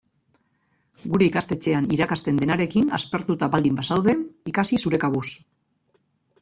Gure ikastetxean irakasten denarekin aspertuta baldin bazaude, ikasi zure kabuz.